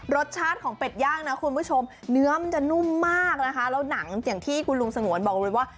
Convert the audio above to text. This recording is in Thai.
รสชาติของเป็ดย่างนะคุณผู้ชมเนื้อมันจะนุ่มมากนะคะแล้วหนังอย่างที่คุณลุงสงวนบอกเลยว่า